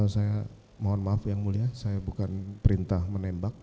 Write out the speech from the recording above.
saya mohon maaf yang mulia saya bukan perintah menembak